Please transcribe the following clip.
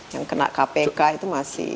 yang kena kpk itu masih